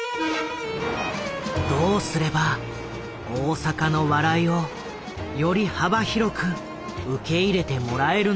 どうすれば大阪の笑いをより幅広く受け入れてもらえるのか。